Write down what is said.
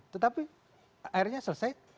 tetapi akhirnya selesai